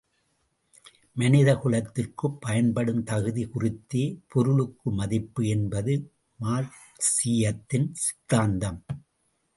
மனிதக் குலத்திற்குப் பயன்படும் தகுதி குறித்தே பொருளுக்கு மதிப்பு என்பது மார்க்சீயத்தின் சித்தாந்தம்.